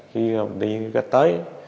khi đi gác tới